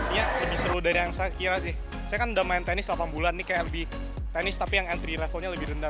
iya lebih seru dari yang saya kira sih saya kan udah main tenis delapan bulan nih kayak lebih tenis tapi yang entry levelnya lebih rendah